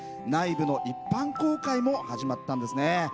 内部の一般公開も始まったんですね。